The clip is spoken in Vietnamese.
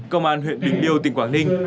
công an huyện bình liêu tỉnh quảng ninh